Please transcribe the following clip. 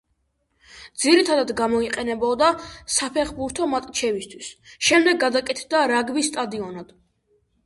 ძირითადად გამოიყენებოდა საფეხბურთო მატჩებისათვის, შემდეგ გადაკეთდა რაგბის სტადიონად.